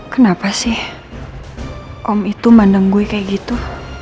kenapa sih om itu mandang gue kayak gitu